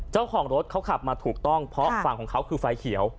เจ้าของรถเขาขับมาถูกต้องเพราะฝั่งของเขาคือไฟเขียว